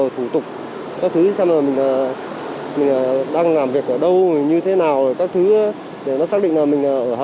thủ tục các thứ xem là mình đang làm việc ở đâu như thế nào các thứ để nó xác định là mình ở hà